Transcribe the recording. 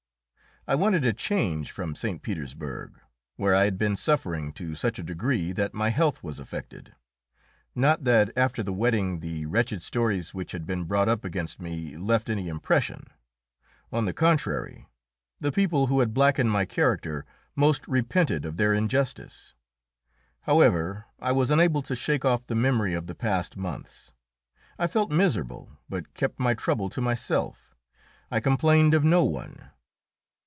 I wanted a change from St. Petersburg, where I had been suffering to such a degree that my health was affected. Not that after the wedding the wretched stories which had been brought up against me left any impression. On the contrary, the people who had blackened my character most repented of their injustice. However, I was unable to shake off the memory of the past months. I felt miserable, but kept my trouble to myself; I complained of no one.